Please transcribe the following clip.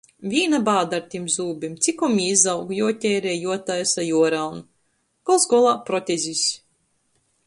Vīna bāda ar tim zūbim. Cikom jī izaug, juoteirej, juotaisa, juoraun. Gols golā - protezis.